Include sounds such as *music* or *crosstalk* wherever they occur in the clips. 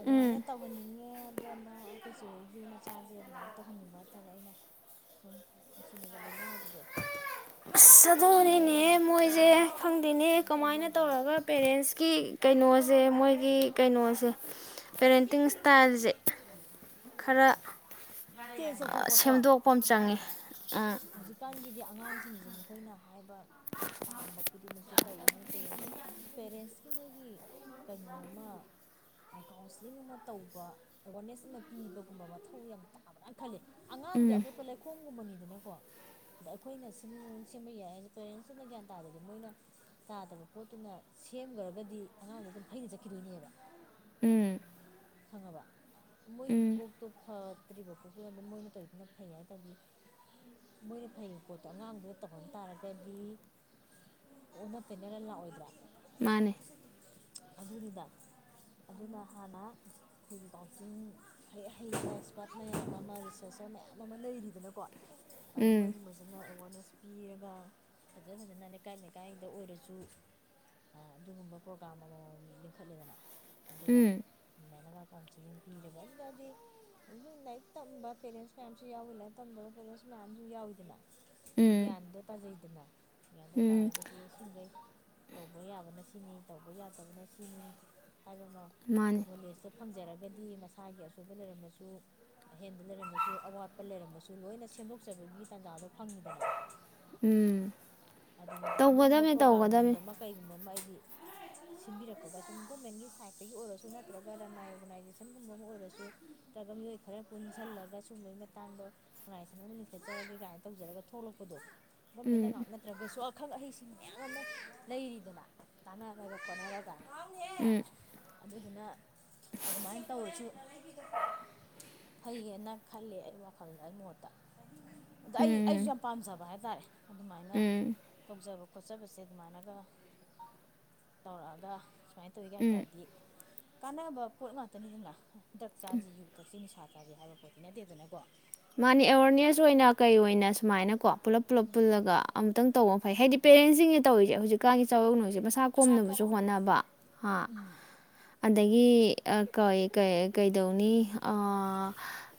ꯑꯗꯨꯃꯥꯏꯅ ꯎꯝ ꯇꯧꯍꯟꯅꯤꯡꯉꯦ ꯑꯗꯨꯅ ꯑꯩꯈꯣꯏꯁꯦ ꯍꯣꯏ ꯖꯨ ꯃꯆꯥꯁꯦ ꯑꯗꯨꯃꯥꯏꯅ ꯇꯧꯍꯟꯅꯤꯡꯕ ꯍꯥꯏꯇꯥꯔꯦ ꯑꯩꯅ ꯁꯨꯝ ꯅꯨꯡꯁꯤꯅꯒ ꯂꯣꯏꯅꯕꯗꯣ ꯑꯗꯩ ꯑꯁ ꯑꯗꯨ ꯑꯄꯤꯕꯅꯤꯅ ꯑꯗꯨꯅꯤꯅꯦ ꯃꯣꯏꯁꯦ ꯂꯣꯏꯅ ꯈꯪꯗꯦꯅꯦ ꯀꯩꯅꯣ ꯇꯧ ꯀꯃꯥꯏꯅ ꯌꯥꯏꯗꯅ ꯇꯧꯔꯒ ꯄꯦꯔꯦꯟꯁꯀꯤ ꯀꯩꯅꯣꯁꯦ ꯃꯣꯏꯒꯤ ꯀꯩꯅꯣꯁꯦ ꯄꯦꯔꯦꯟꯇꯤꯡ ꯏꯁꯇꯥꯏꯜꯁꯦ ꯈꯔ ꯆꯦꯟꯖ ꯇꯧꯊꯣꯛꯄꯀꯣ ꯁꯦꯝꯗꯣꯛꯄ ꯑꯃ ꯆꯪꯉꯤ ꯍꯧꯖꯤꯛꯀꯥꯟꯒꯤꯗꯤ ꯑꯉꯥꯡꯁꯤꯡꯁꯦ ꯃꯈꯣꯏꯅ ꯍꯥꯏꯕ ꯄꯥꯝꯕ ꯈꯨꯗꯤꯡꯃꯛꯁꯦ ꯇꯧꯔꯤꯅꯤ ꯄꯦꯔꯦꯟꯁꯀꯤ ꯄꯦꯔꯦꯟꯁꯀꯤ ꯃꯣꯏꯒꯤ ꯀꯩꯅꯣꯃ ꯀꯥꯎꯟꯁꯂꯤꯡ ꯑꯃ ꯇꯧꯕ ꯑꯦꯋꯥꯔꯅꯦꯁ ꯑꯃ ꯄꯤꯕꯒꯨꯝꯕ ꯃꯊꯧ ꯌꯥꯝ ꯇ ꯕ꯭ꯔꯅ ꯈꯜꯂꯤ ꯑꯉꯥꯡꯗꯤ ꯎꯝ ꯑꯄꯤꯦꯠꯄ ꯂꯩꯈꯣꯡꯝꯒꯨꯝꯕꯅꯤꯗꯨꯅꯀꯣ ꯑꯗ ꯑꯩꯈꯣꯏꯅ ꯁꯤ ꯁꯦꯝꯕ ꯌꯥꯏ ꯄꯦꯔꯦꯟꯁꯇꯨꯅ ꯒ꯭ꯌꯥꯟ ꯇꯥꯗꯗꯤ ꯃꯣꯏꯅ ꯇꯥꯗꯕ ꯄꯣꯠꯇꯨꯅ ꯁꯦꯝꯈ꯭ꯔꯒꯗꯤ ꯑꯉꯥꯡꯗ ꯑꯗꯨꯝ ꯐꯩꯅ ꯆꯠꯈꯤꯗꯣꯏꯅꯦꯕ ꯎꯝ ꯐꯪꯉꯕ ꯃꯣꯏꯒꯤ ꯎꯝ ꯀꯣꯛꯇꯣ ꯐꯠꯇ꯭ꯔꯤꯕ ꯀꯣꯛꯇꯨꯅ ꯑꯗꯨꯝ ꯃꯣꯏꯅ ꯇꯧꯅꯤꯅ ꯐꯩ ꯍꯥꯏ ꯇꯥꯔꯗꯤ ꯃꯣꯏꯅ ꯐꯩꯕ ꯄꯣꯠꯇꯣ ꯑꯉꯥꯡꯗꯨꯗ ꯇꯧꯍꯟ ꯇꯥꯔꯒꯗꯤ ꯑꯣꯟꯅ ꯇꯩꯅꯔ ꯂꯥꯛꯑꯣꯏꯗ꯭ꯔꯥ ꯃꯥꯅꯦ ꯑꯗꯨꯅꯤꯗ ꯑꯗꯨꯅ ꯍꯥꯟꯅ ꯑꯩꯈꯣꯏꯒꯤ ꯀꯥꯎꯟꯁꯤꯂꯤꯡ ꯍꯩ ꯍꯩꯕ ꯑꯦꯛꯁꯄꯥꯔꯠ ꯃꯌꯥꯝ ꯑꯃ ꯔꯤꯁꯔꯆꯔ ꯃꯌꯥꯝ ꯑꯃ ꯂꯩꯔꯤꯕꯅꯀꯣ ꯑꯗ ꯎꯝ ꯃꯣꯏꯒꯨꯝꯕꯁꯤꯅ ꯑꯦꯋꯥꯔꯅꯦꯁ ꯄꯤꯔꯒ ꯐꯖ ꯐꯖꯅ ꯂꯩꯀꯥꯏ ꯂꯩꯀꯥꯏꯗ ꯑꯣꯏꯔꯁꯨ ꯑꯗꯨꯒꯨꯝꯕ ꯄ꯭ꯔꯣꯒꯥ꯭ꯔꯥꯝ ꯑꯃꯃꯝ ꯂꯤꯡꯈꯠꯂꯦꯗꯅ ꯑꯗꯨꯒ ꯎꯝ ꯑꯗꯨꯃꯥꯏꯅꯒ ꯀꯥꯎꯟꯁꯤꯂꯤꯡ ꯄꯤꯒ ꯑꯗꯨꯗꯤ ꯂꯥꯏꯔꯤꯛ ꯇꯝꯕ ꯄꯦꯔꯦꯟꯁ ꯃꯌꯥꯝꯁꯨ ꯌꯥꯎꯋꯤ ꯂꯥꯏꯔꯤꯛ ꯇꯝꯗꯕ ꯄꯦꯔꯦꯟꯁ ꯃꯌꯥꯝꯁꯨ ꯌꯥꯎꯋꯤꯗꯅ ꯑꯗꯨ ꯎꯝ ꯒ꯭ꯌꯥꯟꯗꯣ ꯇꯥꯖꯩꯗꯅ ꯒ ꯍꯥꯏꯗ ꯎꯝ ꯇꯥꯔꯒꯗꯤ ꯏꯁꯤꯡꯈꯩ ꯇꯧꯕ ꯌꯥꯕꯅ ꯁꯤꯅꯤ ꯇꯧꯕ ꯌꯥꯗꯕꯅ ꯁꯤꯅꯤ ꯍꯥꯏꯕ ꯑꯃ ꯃꯥꯅꯤ ꯅꯂꯦꯖꯁꯨ ꯐꯪꯖꯔꯒ ꯍꯥꯏꯒꯗꯤ ꯃꯁꯥꯒꯤ ꯑꯁꯣꯏꯕ ꯂꯩꯔꯝꯃꯁꯨ ꯑꯍꯦꯟꯕ ꯂꯩꯔꯝꯃꯁꯨ ꯑꯋꯥꯠꯄ ꯂꯩꯔꯝꯃꯁꯨ ꯂꯣꯏꯅ ꯁꯦꯝꯗꯣꯛꯆꯕꯒꯤ ꯇꯥꯟꯖꯥꯗꯣ ꯐꯪꯉꯤꯗꯅ ꯎꯝ ꯑꯗꯨꯒꯤꯗ ꯑꯗꯨꯒꯨꯝꯕ ꯇꯧꯒꯗꯕꯅꯤ ꯇꯧꯒꯗꯕꯅꯤ ꯄ꯭ꯔꯣꯒꯥꯝꯒꯨꯝꯕ ꯑꯃ ꯀꯩꯒꯨꯝꯕ ꯑꯃ ꯑꯩꯗꯤ ꯁꯤꯟꯕꯤꯔꯛꯄꯒ ꯁꯨꯝ ꯒꯣꯔꯃꯦꯟꯒꯤ ꯁꯥꯏꯠꯇꯒꯤ ꯑꯣꯏꯔꯁꯨ ꯅꯠꯇ꯭ꯔꯒ ꯂꯅꯥꯏ ꯑꯣꯔꯒꯅꯥꯏꯖꯦꯁꯟꯒꯨꯝꯕ ꯑꯃ ꯑꯣꯏꯔꯁꯨ ꯅꯠꯇ꯭ꯔꯒ ꯃꯤꯑꯣꯏ ꯈꯔ ꯄꯨꯟꯁꯤꯜꯂꯒ ꯁꯨꯝꯕꯒꯤ ꯃꯇꯥꯡꯗꯣ ꯑꯣꯔꯒꯅꯥꯏꯖꯦꯁꯟ ꯑꯃ ꯂꯤꯡꯈꯠꯆꯔꯒꯦ ꯀꯥꯏꯅ ꯇꯧꯖꯔꯒ ꯊꯣꯛꯂꯛꯄꯗꯣ ꯃ ꯃꯟꯅ ꯉꯥꯡ ꯑꯗꯨꯁꯨ ꯑꯈꯪ ꯑꯍꯩꯁꯤꯡ ꯃꯌꯥꯝ ꯑꯃ ꯂꯩꯔꯤꯗꯅ ꯇꯥꯟꯅꯔꯒ ꯈꯣꯠꯅꯔꯒ ꯑꯗꯨꯗꯨꯅ ꯑꯗꯨꯃꯥꯏꯅ ꯇꯧꯔꯁꯨ ꯐꯩꯌꯦꯅ ꯈꯜꯂꯦ ꯑꯩ ꯋꯥꯈꯜꯗ ꯑꯩ ꯃꯣꯠꯇ ꯑꯩ ꯎꯝ ꯑꯩꯁꯨ ꯄꯥꯝꯖꯕ ꯍꯥꯏꯇꯥꯔꯦ ꯑꯗꯨꯃꯥꯏꯅ ꯎꯝ ꯇꯧꯖꯕ ꯈꯣꯠꯆꯕꯁꯦ ꯑꯗꯨꯃꯥꯏꯅꯒ ꯇꯧꯔꯛꯑꯒ ꯄꯃꯥꯏ ꯎꯝ ꯇꯣꯏꯒꯗꯗꯤꯔꯗꯤ ꯀꯥꯟꯅꯕ ꯄꯣꯠ ꯉꯥꯛꯇꯅꯤꯗꯅ ꯗ꯭ꯔꯛ ꯆꯥꯁꯤ ꯌꯨ ꯊꯠꯁꯤ ꯅꯤꯁꯥ ꯆꯥꯥꯁꯦ ꯍꯥꯏꯕ ꯄꯣꯠꯇꯤ ꯅꯠꯇꯦꯗꯅꯀꯣ ꯃꯥꯅꯤ ꯑꯦꯋꯥꯔꯅꯦꯁ ꯑꯣꯏꯅ ꯀꯩ ꯑꯣꯏꯅ ꯁꯨꯃꯥꯏꯅꯀꯣ ꯄꯨꯂꯞ ꯄꯨꯂꯞ ꯎꯝ ꯄꯨꯜꯂꯒ ꯑꯃꯨꯪ ꯇꯧꯕ ꯐꯩ ꯍꯥꯏꯗꯤ ꯄꯦꯔꯦꯟꯁꯁꯤꯡꯅ ꯇꯧꯔꯤꯁꯦ ꯍꯧꯖꯤꯛꯀꯥꯟꯒꯤ ꯆꯥꯎꯔꯛꯅꯣꯏꯁꯦ ꯃꯁꯥ ꯀꯣꯝꯅꯕꯁꯨ ꯍꯣꯠꯅꯕ ꯍꯥ ꯎꯝ ꯑꯗꯒꯤ ꯀꯩꯗꯧꯅꯤ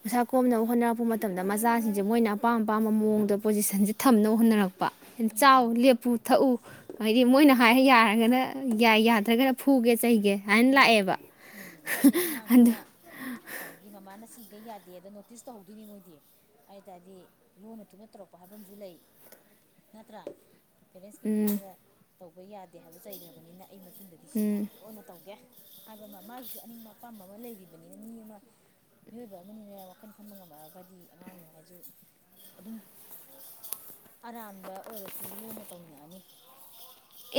ꯄꯩꯁꯥ ꯀꯣꯝꯅꯕ ꯍꯣꯠꯅꯔꯛꯄ ꯊꯣꯛꯄ ꯃꯇꯝꯗ ꯃꯆꯥꯁꯤꯡꯁꯦ ꯃꯣꯏꯅ ꯑꯄꯥꯝ ꯑꯄꯥꯝꯕ ꯃꯑꯣꯡꯗ ꯄꯣꯖꯤꯁꯟꯁꯦ ꯊꯝꯅꯕ ꯍꯣꯠꯅꯔꯛꯄ ꯄ ꯆꯥꯎ ꯎꯝ ꯂꯦꯞꯄꯨ ꯊꯛꯎ ꯍꯥꯏꯗꯤ ꯃꯣꯏꯅ ꯍꯥꯏ ꯌꯥꯔꯒꯅ ꯌꯥꯏ ꯌꯥꯗ꯭ꯔꯒꯅ ꯐꯨꯒꯦ ꯆꯩꯒꯦ ꯍꯥꯏꯅ ꯎꯝ ꯎꯝ ꯎꯝ ꯂꯥꯛꯑꯦꯕ ꯎꯝ ꯑꯗꯨꯗꯤ ꯑꯗꯨ ꯀꯩ ꯌꯥꯗꯦꯗ ꯅꯣꯇꯤꯁ ꯇꯧꯍꯧꯗꯣꯏꯅꯤ ꯃꯣꯏꯗꯤ ꯍꯥꯏ ꯇꯔꯗꯤ ꯂꯨꯅ ꯊꯨꯅ ꯇꯧꯔꯛꯄ ꯍꯥꯏꯕ ꯑꯃꯁꯨ ꯂꯩ ꯅꯠꯇ꯭ꯔꯥ ꯄꯦ ꯁꯀꯤꯝ ꯎꯝ ꯃꯥꯗꯦ ꯇꯧꯕ ꯌꯥꯗꯦ ꯗꯦ ꯍꯥꯏꯕ ꯆꯩꯈ꯭ꯔꯕꯅꯤꯅ ꯑꯩ ꯃꯇꯨꯡꯗꯗꯤ ꯁꯤ ꯂꯣꯟꯅ ꯇꯒꯦ ꯍꯥꯏꯕ ꯑꯃ ꯃꯥꯒꯤꯁꯨ ꯑꯅꯤꯡꯕ ꯑꯄꯥꯝꯕ ꯑꯃ ꯂꯩꯔꯤꯕꯅꯤꯅ ꯃꯤ ꯑꯃ ꯃꯤꯑꯣꯏꯕ ꯑꯃꯅꯤꯅ ꯋꯥꯈꯜ ꯈꯟꯕ ꯉꯝꯃꯛꯑꯒꯗꯤ ꯑꯉꯥꯡ ꯍꯥꯏꯁꯨ ꯑꯗꯨꯝ ꯑꯔꯥꯟꯕ ꯑꯣꯏꯔꯁꯨ ꯂꯣꯟꯅ ꯇꯧꯅꯤꯡꯉꯛꯑꯅꯤ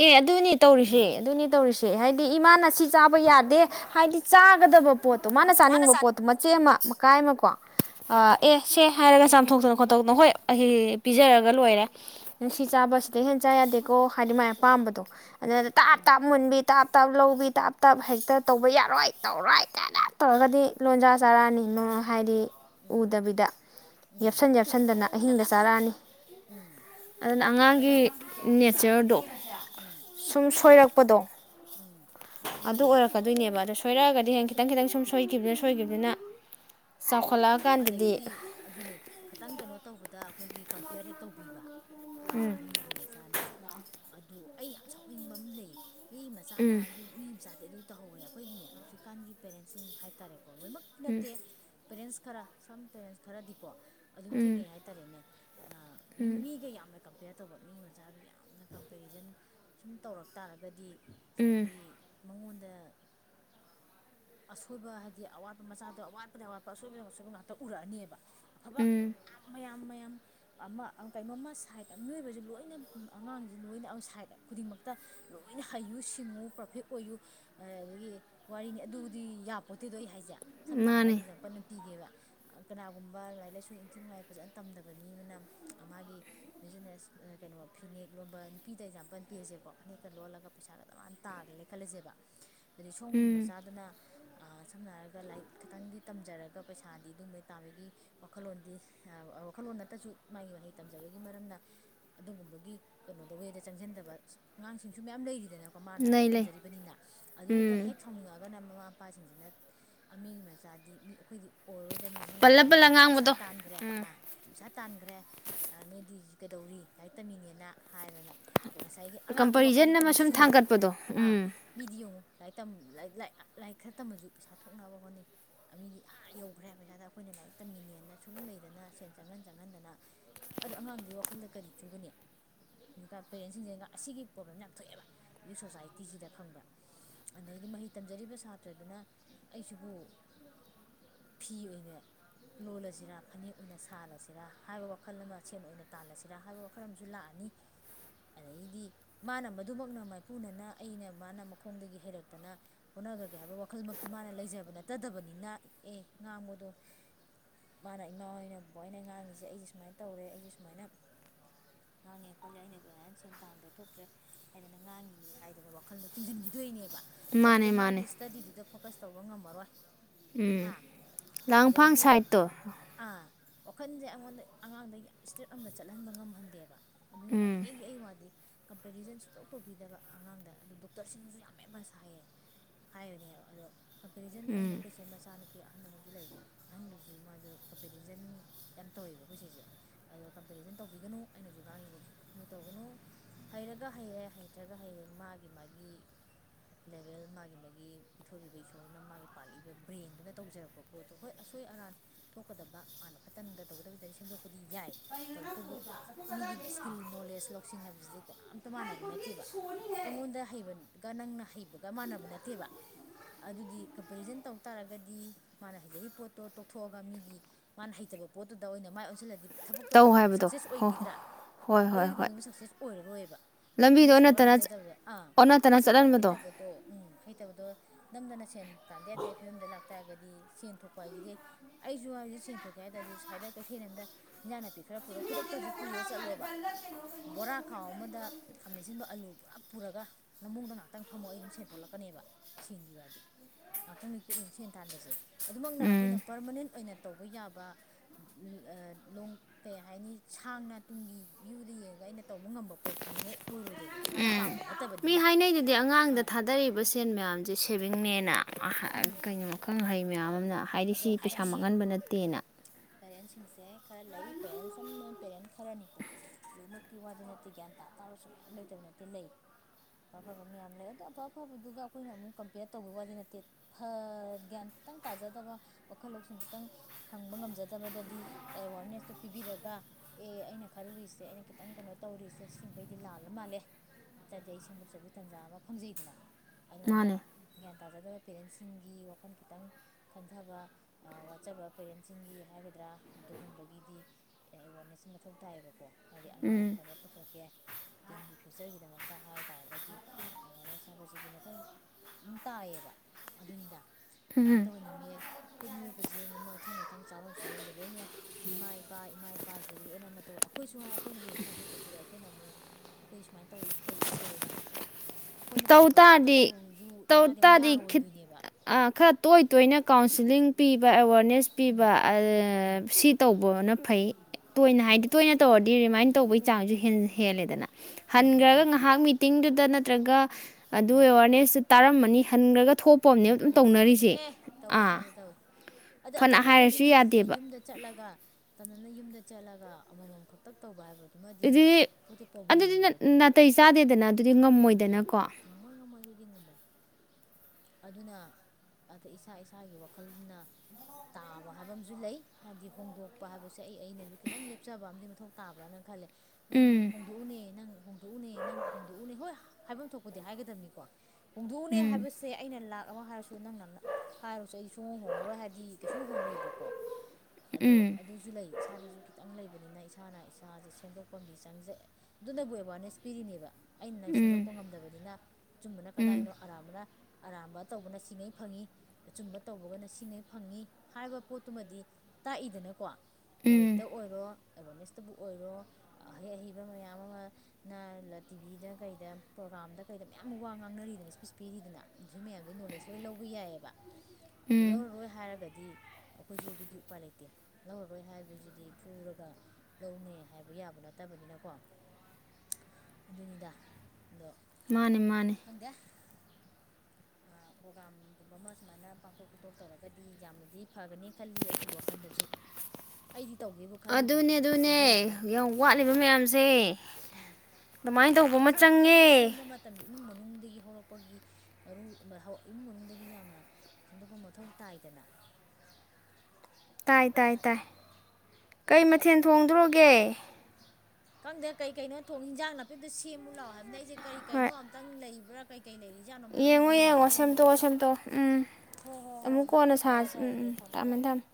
ꯑꯦ ꯑꯗꯨꯅꯤ ꯇꯧꯔꯤꯁꯦ ꯎꯝ ꯑꯗꯨꯅꯤ ꯇꯧꯔꯤꯁꯦ ꯍꯥꯏ ꯍꯥꯏꯗꯤ ꯏꯃꯥꯅ ꯁꯤ ꯆꯥꯕ ꯌꯥꯗꯦ ꯍꯥꯏꯗꯤ ꯆꯥꯒꯗꯕ ꯄꯣꯠꯇꯣ ꯃꯥꯅ ꯆꯥꯅꯤꯡꯕ ꯄꯣꯠꯇꯣ ꯃꯆꯦ ꯑꯃ ꯃꯈꯀꯥꯏ ꯑꯃꯀꯣ ꯑ ꯑꯦꯁꯦ ꯍꯥꯏꯔꯒ ꯆꯥꯝꯊꯣꯛꯇꯅ ꯈꯣꯠꯇꯣꯛꯇꯅ ꯍꯣꯏ ꯑꯁꯤ ꯄꯤꯖꯔꯒ ꯂꯣꯏꯔꯦ ꯁꯤ ꯆꯥꯕꯁꯤꯗ ꯍꯦꯟ ꯆꯥ ꯌꯥꯗꯦꯀꯣ ꯍꯥꯏꯗꯤ ꯃꯥꯏ ꯑ ꯄꯄꯥꯝꯕꯗꯣ ꯑꯗꯨꯗ ꯇꯥꯞ ꯎꯝ ꯇꯥꯞ ꯃꯨꯟꯕꯤ ꯇꯥꯞ ꯇꯥꯞ ꯂꯧꯕꯤ ꯇꯞ ꯇꯞ ꯍꯦꯛꯇ ꯇꯧꯕ ꯌꯥꯔꯣꯏ ꯇꯧꯔꯣꯏ ꯀꯥꯏꯅ ꯇꯧꯔꯒꯗꯤ ꯂꯣꯟꯖꯥ ꯆꯥꯔꯥꯅꯤꯣ ꯍꯥꯏꯗꯤ ꯎꯝ ꯎꯗꯕꯤꯗ ꯎꯝ ꯌꯥꯞꯁꯟ ꯌꯥꯞꯁꯟꯗꯅ ꯑꯍꯤꯡꯗ ꯆꯥꯔꯛꯑꯅꯤ ꯎꯝ ꯎꯝ ꯑꯗꯨꯅ ꯑꯉꯥꯡ ꯒꯤ ꯅꯦꯆꯔꯗꯣ ꯎꯝ ꯁꯨꯝ ꯁꯣꯏꯔꯛꯄꯗꯣ ꯎꯝ ꯑꯗꯨ ꯃꯥꯅꯦ ꯑꯣꯏꯔꯛꯀꯗꯣꯏꯅꯦꯕ ꯑꯗ ꯁꯣꯏꯔꯛꯑꯒꯗꯤ ꯍꯌꯦꯡ ꯈꯤꯇꯪ ꯈꯤꯇꯪ ꯁꯨꯝ ꯁꯣꯏꯈꯤꯕꯅꯤꯅ ꯁꯣꯏꯈꯤꯕꯅꯤꯅ ꯆꯥꯎꯈꯠ ꯑꯗꯒꯤꯗꯤ ꯑꯗꯨꯅꯦ ꯈꯤꯇꯪ ꯀꯩꯅꯣ ꯇꯧꯕꯗ ꯑꯩꯈꯣꯏꯒꯤ ꯀꯝꯄꯤꯌꯔ ꯍꯦꯛ ꯇꯧꯕꯤꯕ ꯍꯥ ꯃꯤꯒꯤ ꯃꯆꯥꯅ ꯑꯗꯨ ꯑꯩ ꯌꯥꯝ ꯁꯥꯎꯅꯤꯡꯕ ꯑꯃ ꯂꯩ ꯃꯤ ꯃꯆꯥꯅ ꯎꯝ ꯑꯗꯨ ꯃꯤ ꯃꯆꯥꯥꯗꯦ ꯑꯗꯨ ꯇꯧꯍꯧꯔꯦ ꯑꯩꯈꯣꯏꯒꯤꯅꯦ ꯍꯧꯖꯤꯛꯀꯥꯟꯒꯤ ꯄꯦꯔꯦꯟꯁꯤꯡ ꯍꯥꯏꯇꯥꯔꯦ ꯂꯃꯛ ꯅꯠꯇꯦ ꯄꯔꯤꯤꯟꯁ ꯈꯔ ꯁꯝ ꯇꯦꯟ ꯈꯔ ꯀꯣ ꯑꯗꯨꯝ ꯎꯝ ꯊꯦꯡꯅꯩ ꯍꯥꯏꯇꯥꯔꯦꯅꯦ ꯃꯤꯒ ꯌꯥꯝꯅ ꯀ ꯀꯝꯄꯤꯦꯌꯔ ꯇꯧꯕ ꯃꯤ ꯃꯆꯥꯒ ꯌꯥꯝꯅ ꯀꯝꯄꯦꯔꯤꯖꯟ ꯁꯨꯝ ꯇꯧꯔꯛ ꯇꯥꯔꯒꯗꯤ ꯎꯝ ꯉꯁꯥꯏꯒꯤ ꯃꯉꯣꯟꯗ ꯑꯁꯣꯏꯕ ꯍꯥꯏꯗꯤ ꯑꯋꯥꯠꯄ ꯃꯆꯥꯗꯣ ꯑꯋꯥꯠꯄꯗ ꯑꯋꯥꯠꯄ ꯑꯁꯣꯏꯕꯗ ꯉꯥꯛꯇ ꯎꯔꯛꯑꯅꯦꯕ ꯑꯐꯕ ꯎꯝ ꯃꯌꯥꯝ ꯃꯌꯥꯝ ꯑꯃ ꯀꯩꯅꯣ ꯑꯃ ꯁꯥꯏꯠ ꯃꯤꯑꯣꯏꯕꯕꯁꯤ ꯂꯣꯏꯅ ꯑꯉꯥꯡꯁꯦ ꯂꯣꯏꯅ ꯁꯥꯏꯠ ꯈꯨꯗꯤꯡꯃꯛꯇ ꯂꯣꯏꯅ ꯍꯩꯌꯨ ꯁꯤꯡꯉꯨ ꯄꯔꯐꯦꯛ ꯑꯣꯏꯌꯨ ꯑꯗꯒꯤ ꯋꯥꯔꯤꯅꯤ ꯑꯗꯨꯗꯤ ꯌꯥꯄꯣꯠꯇꯦꯗꯣ ꯑꯩ ꯍꯥꯏꯁꯦ ꯁꯝꯅ ꯃꯥꯅꯤ ꯍꯔꯥꯒꯁꯄ ꯄꯤꯒꯦꯕ ꯀꯅꯥꯒꯨꯝꯕ ꯑꯗꯨꯥꯏꯔꯤ ꯂꯥꯏꯁꯨ ꯏꯟꯊꯤ ꯅꯨꯡꯉꯥꯏ ꯐꯖꯅ ꯇꯝꯗꯕ ꯃꯤ ꯑꯃꯅ ꯃꯥꯒꯤ ꯕꯤꯖꯤꯅꯦꯁ ꯀꯩꯅꯣ ꯐꯤꯅꯦꯛ ꯂꯣꯟꯕ ꯅꯨꯄꯤꯗ ꯑꯦꯛꯖꯥꯝꯄꯜ ꯄꯤꯔꯁꯦꯕꯀꯣ ꯐꯅꯦꯛꯀ ꯂꯣꯜꯂꯒ ꯄꯩꯁꯥꯒ ꯑꯗꯨ ꯃꯥꯥꯟꯅ ꯇꯥꯔ ꯂꯩ ꯈꯠꯂꯁꯦꯕ ꯑꯗꯤ ꯁꯣꯝꯒꯤ ꯎꯝ ꯃꯆꯥꯗꯨꯅ ꯁꯝꯅ ꯍꯥꯏꯔꯒ ꯂꯥꯏꯔꯤꯛ ꯈꯤꯇꯪꯗꯤ ꯇꯝꯖꯔꯒ ꯄꯩꯁꯥꯗꯤ ꯑꯗꯨꯝꯕꯩ ꯇꯥꯟꯕꯒꯤ ꯋꯥꯈꯜꯂꯣꯟꯗꯤ ꯋꯥꯈꯜꯂꯣꯟ ꯅꯠꯇꯁꯨ ꯃꯥꯒꯤ ꯃꯍꯩ ꯇꯝꯖꯕꯒꯤ ꯃꯔꯝꯅ ꯑꯗꯨꯒꯨꯝꯕꯒꯤ ꯀꯩꯅꯣꯗ ꯋꯦꯗ ꯆꯪꯁꯤꯟꯗꯕ ꯑꯉꯥꯡꯁꯤꯡꯁꯨ ꯃꯌꯥꯝ ꯂꯩꯔꯤ ꯗꯅꯀꯣ ꯃꯥꯅ ꯂꯩ ꯂꯥꯏꯔꯤꯛ ꯂꯩ ꯇꯝꯖꯔꯤꯕꯅꯤꯅ ꯑꯗꯨꯗꯨꯗ ꯎꯝ ꯍꯦꯛ ꯁꯥꯎꯅꯤꯡꯉꯑꯒꯅ ꯃꯃꯥ ꯃꯄꯥꯁꯤꯡꯁꯤꯅ ꯑ ꯃꯤꯒꯤꯒꯤ ꯃꯆꯥꯗꯤ ꯑꯩꯈꯣꯏꯒꯤ ꯑꯣꯏꯔꯣꯏꯗꯕꯅꯤ ꯃꯤ ꯄꯜꯂ ꯃꯆꯥꯁꯤ ꯄꯜꯂ ꯅꯍꯥꯟꯅ ꯄꯩꯁꯥ ꯉꯥꯡꯕꯗꯣ ꯇꯥꯟꯈ꯭ꯔꯦ ꯎꯝ ꯑꯥ ꯄꯩꯁꯥ ꯇꯥꯟꯈ꯭ꯔꯦ ꯅꯣꯏꯗꯤ ꯀꯩꯗꯧꯔꯤ ꯂꯥꯏꯔꯤꯛ ꯇꯝꯃꯤꯅꯦꯅ ꯍꯥꯏꯗꯅ ꯉꯁꯥꯏꯒꯤ ꯑꯉꯥꯡꯗꯨꯒꯤ ꯋꯥꯈꯜꯗ ꯀꯝꯄꯦꯔꯤꯖꯟ ꯑꯃ ꯀꯔꯤ ꯁꯨꯝ ꯆꯨꯅꯦ ꯊꯥꯡꯒꯠꯄꯗꯣ ꯑꯥ ꯎꯝ ꯃꯤꯗꯤ ꯌꯦꯡꯉꯨ ꯂꯥꯏꯔꯤꯛ ꯂꯥꯏꯔꯤꯛ ꯈꯔ ꯇꯝꯃꯁꯨ ꯄꯩꯁꯥ ꯊꯣꯛꯅꯕ ꯍꯣꯠꯅꯩ ꯃꯤꯒꯤ ꯑꯥ ꯌꯧ ꯔꯥꯏ ꯄꯩꯁꯥꯗ ꯑꯩꯈꯣꯏꯅ ꯂꯥꯏꯔꯤꯛ ꯇꯝꯅꯤꯡꯉꯦꯅ ꯁꯨꯝ ꯂꯩꯗꯅ ꯁꯦꯟ ꯆꯪꯍꯟ ꯆꯪꯍꯟꯗꯅ ꯑꯗꯣ ꯑꯉꯥꯡꯗꯨꯒꯤ ꯋꯥꯈꯜꯗ ꯀꯔꯤ ꯆꯨꯒꯅꯤ ꯍꯧꯖꯤꯛꯀꯥꯟ ꯄꯦꯔꯦꯟꯁꯤꯡꯁꯤꯦꯅ ꯑꯁꯤꯒꯤ ꯄ꯭ꯔꯣꯕ꯭ꯂꯦꯝ ꯌꯥꯝ ꯊꯣꯛꯑꯦꯕ ꯍꯧꯖꯤꯛ ꯁꯣꯁꯥꯏꯇꯤꯁꯤꯗ ꯈꯪꯕ꯭ꯔꯥ ꯑꯗꯩꯗꯤ ꯃꯍꯩ ꯇꯝꯖꯔꯤꯕ ꯁꯥꯇ꯭ꯔꯗꯨꯅ ꯑꯩꯁꯤꯕꯨ ꯐꯤ ꯑꯣꯏꯅ ꯂꯣꯜꯂꯁꯤꯔꯥ ꯐꯅꯦꯛ ꯑꯣꯏꯅ ꯁꯥꯜꯂꯁꯤꯔꯥ ꯍꯥꯏꯕ ꯋꯥꯈꯜ ꯑꯃ ꯁꯦꯟ ꯑꯣꯏꯅ ꯇꯥꯜꯂꯁꯤꯔꯥ ꯍꯥꯏꯕ ꯋꯥꯈꯜ ꯑꯃꯁꯨ ꯂꯥꯛꯑꯅꯤ ꯑꯗꯩꯗꯤ ꯃꯥꯅ ꯃꯗꯨꯃꯛꯅ ꯃꯥꯏꯄꯨꯅꯅ ꯑꯩꯅ ꯃꯥꯅ ꯃꯈꯣꯡꯗꯒꯤ ꯍꯩꯔꯛꯇꯅ ꯍꯣꯠꯅꯈ꯭ꯔꯒꯦ ꯍꯥꯏꯕ ꯋꯥꯈꯜꯃꯛꯇꯤ ꯃꯥꯅ ꯂꯩꯖꯕ ꯅꯠꯇꯗꯕꯅꯤꯅ ꯑꯦ ꯉꯥꯡꯕꯗꯣ ꯃꯥꯅ ꯏꯃꯥ ꯍꯣꯏꯅ ꯑꯩꯅ ꯉꯥꯡꯉꯤꯁꯦ ꯑꯩꯁꯦ ꯁꯨꯃꯥꯏꯅ ꯇꯧꯔꯦ ꯑꯩꯁꯦ ꯁꯨꯃꯥꯏꯅ ꯉꯥꯡꯉꯦ ꯈꯣꯠꯂꯦ ꯑꯩꯅ ꯀꯃꯥꯏꯅ ꯁꯦꯟ ꯇꯥꯟꯗ꯭ꯔꯦ ꯊꯣꯛꯇ꯭ꯔꯦ ꯍꯥꯏꯗꯅ ꯉꯥꯡꯉꯤꯅꯦ ꯍꯥꯏꯗꯅ ꯋꯥꯈꯜꯗꯣ ꯆꯤꯡꯁꯤꯟꯈꯤꯗꯣꯏꯅꯦꯕ ꯃꯥꯅꯦ ꯑꯗꯨꯗ ꯃꯥꯒꯤ ꯃꯥꯅꯦ ꯏꯁꯇꯗꯤꯗꯨꯗ ꯐꯪ ꯐꯁ ꯇꯧꯕ ꯉꯝꯃꯔꯣꯏ ꯎꯝ ꯍꯥ ꯂꯪꯐꯥꯡ ꯑꯗꯩꯗꯤ ꯁꯥꯏꯠꯇꯣ ꯑꯥ ꯋꯥꯈꯟꯁꯦ ꯑꯩꯉꯣꯟꯗ ꯑꯉꯥꯡꯗ ꯌꯥꯝ ꯏꯁꯇ꯭ꯦꯠ ꯑꯃꯝꯗ ꯆꯠꯍꯟꯕ ꯉꯝꯍꯟꯗꯦꯕ ꯑꯗꯨꯅ ꯎꯝ ꯌꯥꯔꯤꯉꯩꯒꯤ ꯑꯩ ꯋꯥꯗꯤ ꯀꯝꯄꯦꯔꯤꯖꯟ ꯁꯨꯇꯧ ꯇꯧꯕꯤꯗꯕ ꯑꯉꯥꯡꯗ ꯑꯗꯨ ꯗꯣꯛꯇꯔꯁꯤꯡꯅꯁꯨ ꯌꯥꯝ ꯑꯦꯚꯁ ꯍꯥꯏꯌꯦ ꯍꯥꯏꯕꯅꯦꯕ ꯑꯗꯣ ꯀꯝꯄꯦꯔꯤꯖꯟ ꯑꯩꯅ ꯎꯝ ꯑꯩꯈꯣꯏꯁꯦ ꯃꯆꯥꯅꯨꯄꯤ ꯑꯍꯟ ꯑꯃꯁꯨ ꯂꯩ ꯑꯍꯟꯗꯨꯁꯨ ꯃꯥꯁꯨ ꯀꯝꯄꯦꯔꯤꯖꯟ ꯌꯥꯝ ꯇꯧꯋꯦꯕ ꯑꯩꯈꯣꯏ ꯁꯤꯁꯦ ꯑꯗꯣ ꯀꯝꯄꯦꯔꯤꯖꯟ ꯇꯧꯕꯤꯒꯅꯨ ꯑꯩꯅꯁꯨ ꯉꯥꯡꯉꯤꯅꯦ ꯑꯗꯨ ꯇꯧꯒꯅꯨ ꯍꯩꯔꯒ ꯍꯩꯔꯦ ꯍꯩꯇ꯭ꯔꯒ ꯍꯩꯔꯦ ꯃꯥꯒꯤ ꯃꯥꯒꯤ ꯂꯦꯕꯦꯜ ꯃꯥꯒꯤ ꯃꯥꯒꯤ ꯄꯤꯊꯣꯔꯏꯕ ꯏꯁꯣꯔꯅ ꯃꯥꯒꯤ ꯄꯥꯜꯂꯛꯏꯕ ꯕ꯭ꯔꯦꯟꯗꯨꯅ ꯇꯧꯖꯔꯛꯄ ꯄꯣꯠꯇꯣ ꯍꯣꯏ ꯑꯁꯣꯏ ꯑꯔꯥꯟ ꯊꯣꯛꯀꯗꯕ ꯃꯥꯅ ꯐꯠꯇ ꯅꯨꯡꯗ ꯇꯧꯒꯗꯕꯗꯗꯤ ꯁꯦꯝꯗꯣꯛꯄꯗꯤ ꯌꯥꯏ ꯄ ꯇꯧꯕꯇꯕꯨ *unintelligible* ꯆꯣ ꯀꯛꯆꯁꯤꯡ ꯍꯥꯏꯕꯁꯤꯗꯤ ꯀꯅꯥꯝꯇ ꯃꯥꯟꯅꯕ ꯅꯠꯇꯦꯕ ꯑꯩꯉꯣꯟꯗ ꯍꯩꯕꯒ ꯅꯪꯅ ꯍꯩꯕꯒ ꯃꯥꯟꯅꯕ ꯅꯠꯇꯦꯕ ꯑꯗꯨꯗꯤ ꯀꯝꯄꯦꯔꯤꯖꯟ ꯇꯧ ꯇꯥꯔꯒꯗꯤ ꯃꯥꯅ ꯍꯩꯖꯔꯤꯕ ꯄꯣꯠꯇꯣ ꯇꯣꯛꯊꯣꯛꯑꯒ ꯃꯤꯒꯤ ꯃꯥꯅ ꯍꯩꯇꯕ ꯄꯣꯠꯇꯨꯗ ꯑꯣꯏꯅ ꯃꯥꯏ ꯑꯣꯟꯁꯤꯜꯂꯗꯤ ꯊꯕꯛꯇꯣ ꯇꯧ ꯇꯧꯕꯗ ꯍꯥꯏꯕꯗꯣ ꯁꯛꯁꯦꯁ ꯍꯣ ꯍꯣ ꯑꯣꯏꯈꯤꯗ꯭ꯔꯥ ꯍꯣꯏ ꯍꯣꯏ ꯑꯗꯨꯗꯨꯒ ꯍꯣꯏ ꯑꯗꯨꯝ ꯁꯛꯁꯦꯁ ꯑꯣꯏꯔꯔꯣꯏꯕ ꯃꯤꯒꯤ ꯂꯝꯕꯤꯗ ꯐꯅꯦꯛ ꯑꯣꯟꯅ ꯁꯥꯕ ꯇꯩꯅ ꯍꯩꯖꯗꯕꯗ ꯑꯥ ꯑꯣꯟꯅ ꯐꯅꯦꯛ ꯇꯩꯅ ꯁꯥꯕ ꯆꯠꯍꯟꯕꯗꯣ ꯍꯩꯇꯕꯗꯣ ꯎꯝ ꯍꯩꯇꯕꯗꯣ ꯅꯝꯗꯅ ꯁꯦꯟ ꯇꯥꯟꯗ ꯌꯥꯗꯦ ꯐꯤꯕꯝꯗ ꯂꯥꯛꯇꯥꯔꯒꯗꯤ ꯁꯦꯟ ꯊꯣꯛꯄ ꯍꯥꯏꯁꯤꯗꯤ ꯑꯩꯁꯨ ꯍꯥꯏꯁꯤ ꯁꯦꯟꯊꯣꯛꯀꯦ ꯍꯥꯏ ꯇꯔꯗꯤ ꯁ꯭ꯋꯥꯏꯗ ꯀꯩꯊꯦꯜ ꯑꯃꯗ ꯏꯟꯖꯥꯡ ꯅꯥꯄꯤ ꯈꯔ ꯄꯨꯔꯒ ꯈꯨꯗꯛꯇ ꯍꯧꯖꯤꯛ ꯄꯨꯔ ꯆꯠꯂꯣꯕ ꯕꯣꯔꯥ ꯈꯥꯎ ꯑꯃꯗ ꯈꯥꯃꯦꯟꯁꯤꯟꯕ ꯑꯂꯨ ꯄꯨꯔꯥ ꯄꯨꯔꯒ ꯂꯝꯃꯣꯡꯗ ꯉꯥꯛꯇꯪ ꯐꯝꯃꯛ ꯑꯩ ꯑꯗꯨꯝ ꯁꯦꯟꯊꯣꯛꯂꯛꯀꯅꯦꯕ ꯁꯦꯟꯒꯤ ꯋꯥꯗꯤ ꯉꯥꯛꯇꯪ ꯃꯤꯀꯨꯞ ꯑꯣꯏꯅ ꯁꯦꯟ ꯊꯥꯟꯕꯁꯦ ꯑꯗꯨꯃꯛꯅ ꯎꯝ ꯑꯩꯈꯣꯏꯅ ꯄꯔꯃꯅꯦꯟ ꯑꯣꯏꯅ ꯇꯧꯕ ꯌꯥꯕ ꯂꯣꯡ ꯀꯩ ꯍꯥꯏꯅꯤ ꯁꯥꯡꯅ ꯇꯨꯡꯒꯤ ꯚ꯭ꯌꯨꯗ ꯌꯦꯡꯉꯒ ꯑꯩꯅ ꯇꯧꯕ ꯉꯝꯕ ꯄꯣꯠꯅꯤ ꯍꯦꯛ ꯑꯣꯏꯔꯣꯏꯗꯣꯏꯕ ꯏꯁꯥꯅ ꯄꯥꯝꯕ ꯅꯠꯇꯦ ꯃꯤ ꯍꯥꯏꯅꯩꯗꯨꯗꯤ ꯑꯉꯥꯡꯗ ꯊꯥꯗꯔꯛꯏꯕ ꯁꯦꯟ ꯃꯌꯥꯝꯁꯦ ꯁꯦꯝꯃꯦ ꯁꯦꯕꯤꯛꯅꯦꯅ ꯎꯝ ꯀꯩꯩꯅ ꯃꯈꯪ ꯍꯥꯏ ꯃꯌꯥꯝ ꯑꯃꯅ ꯑꯗꯣ ꯍꯥꯏꯗꯤꯁꯤ ꯄꯩꯁꯥ ꯃꯥꯡꯍꯟꯕ ꯅꯠꯇꯦꯅ ꯄꯦꯔꯦꯟꯁꯤꯡꯁꯦ ꯈꯔ ꯂꯩ ꯄꯦꯔꯦꯟꯁ ꯑꯃ ꯄꯦꯔꯦꯟ ꯈꯔꯅꯤꯀꯣ ꯂꯣꯏꯅꯃꯛꯀꯤ ꯋꯥꯗꯤ ꯅꯠꯇꯦ ꯒ꯭ꯌꯥꯟ ꯇꯥ ꯇꯥꯕꯁꯨ ꯃꯌꯥꯝ ꯂꯩꯇꯕ ꯅꯠꯇꯦ ꯂꯩ ꯑꯐ ꯑꯐꯕ ꯃꯌꯥꯝ ꯂꯩ ꯑꯗꯣ ꯑꯐ ꯑꯐꯕꯗꯨꯒ ꯑꯩꯈꯣꯏꯅ ꯑꯃꯨꯛ ꯀꯝꯄꯦꯌꯔ ꯇꯧꯕꯈꯤꯕ ꯋꯥꯗꯤ ꯅꯠꯇꯦ ꯐ ꯒ꯭ꯌꯥꯟ ꯈꯤꯇꯪ ꯇꯥꯖꯗꯕ ꯋꯥꯈꯜ ꯂꯧꯁꯤꯡ ꯈꯤꯇꯪ ꯐꯪꯕ ꯉꯝꯖꯗ ꯅꯠꯇꯕꯗꯗꯤ ꯑꯦꯋꯥꯔꯅꯦꯁꯇꯣ ꯄꯤꯕꯤꯔꯒ ꯑꯦ ꯑꯩꯅ ꯈꯜꯂꯨꯔꯤꯁꯦ ꯑꯩꯅ ꯈꯤꯇꯪ ꯀꯩꯅꯣ ꯇꯧꯔꯔꯤꯁꯦ ꯁꯤꯀꯤꯈꯩꯗꯤ ꯂꯥꯜꯂ ꯃꯥꯜꯂꯦ ꯅꯠꯇꯗꯤ ꯑꯩ ꯁꯦꯝꯗꯣꯛꯆꯕꯒꯤ ꯇꯥꯟꯖꯥ ꯑꯃ ꯐꯪꯖꯩꯗꯅ ꯑꯗꯨꯃꯥꯏꯅ ꯃꯥꯅꯦ ꯒ꯭ꯌꯥꯟ ꯇ ꯇꯥꯖꯗꯕ ꯄꯦꯔꯦꯟꯁꯤꯡꯒꯤ ꯋꯥꯈꯜ ꯈꯤꯇꯪ ꯈꯟꯊꯕ ꯋꯥꯠꯆꯕ ꯄꯦꯔꯦꯟꯁꯤꯡꯒꯤ ꯍꯥꯏꯒꯗ꯭ꯔꯥ ꯑꯗꯨꯒꯨꯝꯕꯒꯤꯗꯤ ꯑꯦꯋꯥꯔꯅꯦꯁꯁꯨꯦ ꯃꯊꯧ ꯇꯥꯏꯌꯦꯕꯀꯣ ꯍꯥꯏꯗꯤ ꯑꯉꯥꯡ ꯎꯝ ꯑꯐꯕ ꯄꯨꯊꯣꯛꯀꯦ ꯇꯝꯒꯤ ꯐ꯭ꯌꯨꯆꯔꯒꯤꯗꯃꯛꯇ ꯍꯥꯏꯇꯥꯥꯔꯒꯗꯤ ꯑꯦꯋꯥꯔꯅꯦꯁ ꯍꯥꯏꯕꯁꯤꯗꯤ ꯃꯊꯧꯝ ꯇꯥꯏꯌꯦꯕ ꯑꯗꯨꯅꯤꯅ ꯑꯗꯨꯃꯥꯏꯅ ꯇꯧꯍꯟꯅꯤꯡꯉꯦ ꯑꯩꯈꯣꯏ ꯃꯤꯑꯣꯏꯕꯕꯁꯤ ꯑꯗꯨꯝ ꯃꯊꯪ ꯃꯊꯪ ꯆꯥꯕꯟ ꯐꯤꯣꯟꯁꯦ ꯂꯣꯏꯅ ꯏꯃꯥ ꯏꯄꯥ ꯏꯃꯥ ꯏꯄꯥꯁꯤꯗꯒꯤ ꯂꯣꯏꯅ ꯃꯇꯧ ꯑꯩꯈꯣꯏꯁꯨ ꯉꯔ ꯑꯩꯈꯣꯏꯅ ꯍꯌꯦꯡ ꯏꯟꯁꯥꯡꯁꯨꯣꯛ ꯄꯣꯛꯄꯗ ꯑꯩꯈꯣꯏꯅ ꯑꯃꯨꯛ ꯑꯩꯈꯣꯏ ꯁꯨꯃꯥꯏꯅ ꯇꯧꯔꯤꯏ ꯁꯤ ꯇꯧꯔꯤ ꯁꯤ ꯇꯧꯔꯦꯅ ꯇꯧ ꯇꯥꯔꯗꯤ ꯇꯧ ꯇꯥꯔꯗꯤ ꯑꯃꯨꯛ ꯇꯥꯔꯗꯤꯈꯤ ꯌꯥꯔꯣꯏꯗꯣꯏꯅꯦꯕ ꯈꯔ ꯇꯣꯏ ꯇꯣꯏꯅ ꯀꯥꯎꯟꯁꯤꯂꯤꯡ ꯄꯤꯕ ꯑꯦꯋꯥꯔꯗ ꯎꯝ ꯎꯝ ꯇ ꯐꯩ ꯇꯣꯏꯅ ꯍꯥꯏꯗꯤ ꯎꯝ ꯇꯣꯏꯅ ꯇꯧꯔꯗꯤ ꯔꯤꯃꯥꯏꯟ ꯇꯧꯕꯩ ꯆꯥꯡꯁꯨ ꯍꯦꯜꯂꯦꯗꯅ ꯎꯝ ꯎꯝ ꯍꯟꯈ꯭ꯔꯒ ꯎꯝ ꯉꯥꯏꯍꯥꯛ ꯃꯤꯇꯤꯡꯗꯨꯗ ꯇ꯭ꯔꯦꯒ ꯑꯗꯨ ꯑꯦꯋꯥꯔꯅꯦꯁꯁꯨ ꯇꯥꯔꯝꯝꯕ ꯑꯅꯤ ꯍꯟꯈ꯭ꯔꯒ ꯊꯣꯛꯄ ꯑꯃꯅꯦꯕ ꯑꯗꯨꯝ ꯍꯟꯒ꯭ꯔꯅꯤ ꯊꯣꯛꯈ꯭ꯔꯅꯤ ꯇꯧꯅꯔꯤꯁꯦ ꯑꯦ ꯇꯧꯏ ꯑꯥ ꯇꯧꯏ ꯇꯧꯏ ꯑꯗꯨ ꯐꯅ ꯑꯇꯝꯅꯅ ꯍꯥꯏꯔꯁꯨ ꯌꯨꯝꯗ ꯌꯥꯗꯦꯕ ꯌꯨꯝꯗ ꯆꯠꯂꯒ ꯇꯝꯅꯅ ꯌꯨꯝꯗ ꯆꯠꯂꯒ ꯑꯃꯃꯝ ꯈꯛꯇꯛ ꯇꯧꯕ ꯍꯥꯏꯕꯗꯨꯣ ꯑꯗꯨꯗꯤ ꯑꯗꯨꯗꯤ ꯅꯥꯇꯩ ꯆꯥꯗꯦꯗꯅ ꯑꯗꯨꯗꯤ ꯉꯝꯃꯣꯏꯗꯅꯀꯣ ꯉꯃ ꯑꯗꯨꯅ ꯑꯗ ꯏꯁꯥ ꯏꯁꯥꯒꯤ ꯋꯥꯈꯜꯅ ꯇꯥꯕ ꯍꯥꯏꯕ ꯑꯃꯁꯨ ꯂꯩ ꯍꯥꯏꯕꯗꯤ ꯍꯣꯡꯗꯣꯛꯄ ꯍꯥꯏꯕꯁꯦ ꯑꯩ ꯑꯩꯅꯁꯨ ꯈꯤꯇꯪ ꯂꯦꯞꯆꯕ ꯑꯃꯗꯤ ꯃꯊꯧ ꯇꯥꯕ꯭ꯔꯅ ꯈꯜꯂꯦ ꯅꯪ ꯎꯝ ꯍꯣꯡꯗꯣꯛꯎꯅꯦ ꯅꯪ ꯍꯣꯡꯗꯣꯛꯎꯅꯦ ꯅꯪ ꯍꯣꯡꯗꯣꯛꯎꯅꯦ ꯍꯣꯏ ꯍꯥꯏꯐꯝ ꯊꯣꯛꯄꯗꯤ ꯍꯥꯏꯒꯗꯕꯅꯤꯀꯣ ꯍꯣꯡꯗꯣꯛꯎꯅꯤ ꯍꯥꯏꯕꯕꯁꯤ ꯩꯅ ꯂꯥꯛ ꯑꯃ ꯍꯥꯏꯔ ꯁ ꯅꯪꯅ ꯍꯥꯏꯔꯨꯁꯨ ꯑꯩ ꯁꯨ ꯍꯣꯡꯉꯔꯣꯏ ꯍꯥꯏꯗꯤ ꯀꯩꯁꯨ ꯍꯣꯡꯉꯣꯏꯕꯀꯣ ꯑꯗꯣ ꯑꯗꯨꯁꯨ ꯂꯩ ꯏꯁꯥꯗꯁꯨ ꯈꯤꯇꯪ ꯂꯩꯕ ꯍꯥꯏꯕꯅꯤꯅ ꯏꯁꯥꯅ ꯏꯁꯥꯁꯦ ꯁꯦꯝꯗꯣꯛꯐꯝꯗꯤ ꯆꯪꯖꯩ ꯑꯗꯨꯅꯕꯨ ꯑꯦꯋꯥꯔꯅꯦꯁ ꯄꯤꯔꯤꯅꯦꯕ ꯑꯩꯅ ꯅꯪ ꯁꯦꯝꯗꯣꯛꯄ ꯉꯝꯗꯕꯅꯤꯅ ꯑꯆꯨꯝꯕꯅ ꯀꯗꯥꯏꯅꯣ ꯑꯔꯥꯟꯕꯅ ꯑꯔꯥꯥꯟꯕ ꯇꯧꯕꯅ ꯁꯤꯉꯩ ꯐꯪꯉꯤ ꯑꯆꯨꯝꯕ ꯇꯧꯕꯒꯅ ꯁꯤꯉꯩ ꯐꯪꯉꯤ ꯍꯥꯏꯕ ꯄꯣꯠꯇꯨꯃꯗꯤ ꯇꯥꯛꯏꯗꯅꯀꯣ ꯎꯝ ꯂꯥꯏꯔꯤꯛꯇ ꯑꯣꯏꯔꯣ ꯑꯦꯋꯥꯔꯅꯦꯁꯇꯕꯨ ꯑꯣꯏꯔꯣ ꯑꯍꯩ ꯑꯍꯩꯕ ꯃꯌꯥꯝ ꯑꯃꯅ ꯇꯤꯚꯤꯗ ꯀꯩꯗ ꯄ꯭ꯔꯣꯒꯥꯥꯝꯗ ꯀꯩꯗ ꯃꯌꯥꯝ ꯋꯥ ꯉꯥꯡꯅꯔꯤꯗꯅ ꯏꯁ꯭ꯄꯤꯁ ꯄꯤꯔꯤꯗꯅ ꯑꯗꯨ ꯃꯌꯥꯝꯗꯤ ꯅꯣꯂꯦꯖ ꯂꯣꯏ ꯂꯧꯕ ꯌꯥꯏꯑꯕ ꯑꯗꯨ ꯎꯝ ꯂꯧꯔꯔꯣꯏ ꯍꯥꯏꯔꯒꯗꯤ ꯑꯩꯈꯣꯏꯁꯨ ꯑꯗꯨꯗꯤ ꯎꯄꯥꯏ ꯂꯩꯇꯦ ꯂꯧꯔꯔꯣꯏ ꯍꯥꯏꯕꯁꯤꯗꯤ ꯐꯨꯔꯒ ꯂꯧꯅꯦ ꯍꯥꯏꯕ ꯌꯥꯕ ꯅꯠꯇꯕꯅꯤꯅꯀꯣ ꯑꯗꯨꯅꯤꯗ ꯑꯗꯣ ꯃꯥꯅꯦ ꯃꯥꯅꯦ ꯄ꯭ꯔꯣꯒꯥ꯭ꯔꯥꯝꯒꯨꯝꯕ ꯑꯃ ꯁꯨꯃꯥꯏꯅ ꯄꯥꯡꯊꯣꯛ ꯈꯣꯊꯣꯛ ꯇꯧꯔꯒꯗꯤ ꯌꯥꯝꯅꯗꯤ ꯐꯒꯅꯤ ꯈꯜꯂꯤ ꯑꯩꯒꯤ ꯋꯥꯈꯜꯗꯁꯨ ꯑꯩꯗꯤ ꯇꯧꯒꯦꯕꯨ ꯈꯜꯂꯤꯕꯅꯤ ꯑꯗꯨꯅꯦ ꯑꯗꯨꯅꯦ ꯄꯨꯟꯁꯤꯜꯂꯒ ꯌꯥꯝ ꯋꯥꯠꯂꯤꯕ ꯃꯌꯥꯝꯁꯦ ꯎꯝ ꯑꯗꯨꯃꯥꯏꯅ ꯇꯧꯕ ꯁꯣꯁꯥꯏꯇꯤ ꯑꯃ ꯆꯪꯉꯦ ꯁꯦꯝꯕ ꯃꯇꯝꯗ ꯏꯃꯨꯡ ꯃꯅꯨꯡꯗꯒꯤ ꯒꯤ ꯍꯧꯔꯛꯄꯒꯤ ꯃꯔꯨ ꯏꯃꯨꯡ ꯃꯅꯨꯡꯗꯒꯤ ꯌꯥꯝꯅ ꯁꯦꯝꯗꯣꯛꯄ ꯃꯊꯧ ꯇꯥꯏꯗꯅ ꯇꯥꯏ ꯇꯥꯏ ꯑꯗꯨꯃꯥꯏꯅ ꯇꯥꯏ ꯀꯩ ꯀꯩꯅꯣ ꯇꯧꯕ ꯃꯊꯦꯜ ꯊꯣꯡꯗ꯭ꯔꯣꯒꯦ ꯀꯪꯗ ꯀꯩ ꯀꯩꯅꯣ ꯊꯣꯡ ꯍꯤꯟꯖꯥꯡ ꯅꯥꯄꯤꯗ ꯁꯦꯝꯃꯨ ꯂꯥꯛꯑꯣ ꯍꯥꯏꯕꯅꯤ ꯑꯩꯁꯦ ꯀꯔꯤ ꯍꯣꯏ ꯀꯩꯅꯣ ꯑꯝꯇꯪ ꯂꯩꯕ ꯕ ꯀꯩ ꯀꯩ ꯂꯩꯔꯤꯖꯥꯠꯅꯣ ꯑꯝꯇꯕꯨ ꯌꯦꯡꯉꯣ ꯌꯦꯡꯉꯣ ꯌꯦꯡꯈꯤꯒꯦꯅꯦꯍꯦ ꯁꯦꯝꯇꯣꯛꯑꯣ ꯁꯦꯝꯗꯣꯛꯑꯣ ꯎꯝ ꯍꯣꯏ ꯍꯣꯏ ꯍꯣꯏ ꯑꯃꯨꯛ ꯍꯣꯏ ꯀꯣꯟꯅ ꯐꯔꯦ ꯁꯥꯁꯤ ꯐꯔꯦ ꯎꯝ ꯎꯝ ꯑꯗꯨꯗꯤ ꯊꯝꯃꯣ ꯀꯥꯃ ꯊꯝꯃꯣ ꯊꯝꯃ